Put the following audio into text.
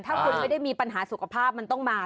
ถ้าคุณไม่ได้มีปัญหาสุขภาพมันต้องมา